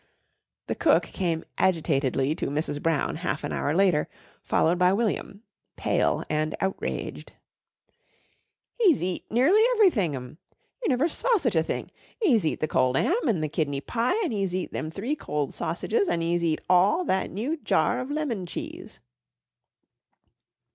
The cook came agitatedly to Mrs. Brown half an hour later, followed by William, pale and outraged. "'E's eat nearly everything, 'm. You never saw such a thing. 'E's eat the cold 'am and the kidney pie, and 'e's eat them three cold sausages an' 'e's eat all that new jar of lemon cheese."